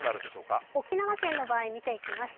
沖縄県の場合、見ていきます。